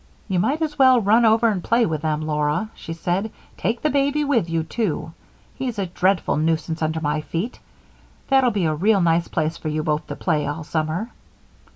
"You might as well run over and play with them, Laura," she said. "Take the baby with you, too. He's a dreadful nuisance under my feet. That'll be a real nice place for you both to play all summer."